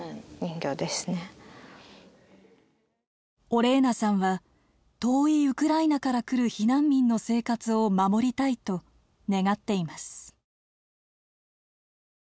オレーナさんは遠いウクライナから来る避難民の生活を守りたいと願っています。